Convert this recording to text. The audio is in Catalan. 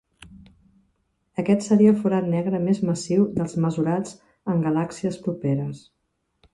Aquest seria el forat negre més massiu dels mesurats en galàxies properes.